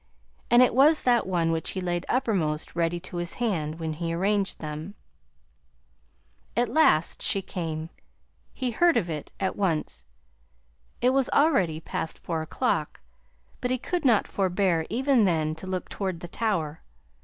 And it was that one which he laid uppermost ready to his hand, when he arranged them. "At last she came. He heard of it at once. It was already past four o'clock, but he could not forbear, even then, to look toward the tower.